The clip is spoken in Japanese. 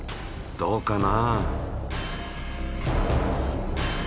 どうかな？